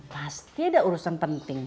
pasti ada urusan penting